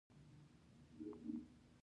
د اساسي قانون مهم اصول په کې بیان شوي وو.